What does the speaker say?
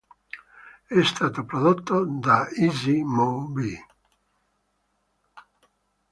È stato prodotto da Easy Mo Bee.